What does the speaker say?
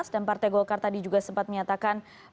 dan partai golkar tadi juga sempat menyatakan